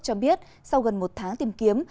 cho biết sau gần một tháng tìm kiếm